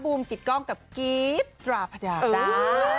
บูมกิดกล้องกับกิฟต์ดราพระดาษา